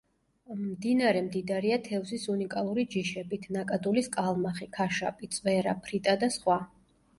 მდინარე მდიდარია თევზის უნიკალური ჯიშებით: ნაკადულის კალმახი, ქაშაპი, წვერა, ფრიტა და სხვა.